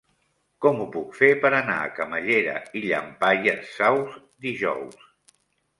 Com ho puc fer per anar a Camallera i Llampaies Saus dijous?